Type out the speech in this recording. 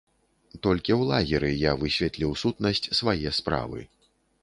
Толькі ў лагеры я высветліў сутнасць свае справы.